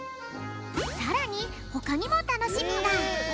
さらにほかにもたのしみが。